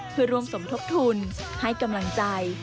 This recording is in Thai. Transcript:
เพื่อร่วมสมทบทุนให้กำลังใจ